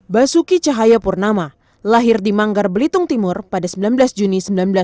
basuki cahayapurnama lahir di manggar belitung timur pada sembilan belas juni seribu sembilan ratus enam puluh